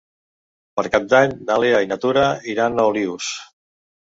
Per Cap d'Any na Lea i na Tura iran a Olius.